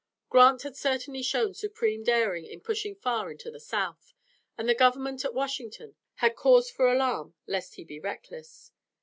Grant had certainly shown supreme daring in pushing far into the South, and the government at Washington had cause for alarm lest he be reckless.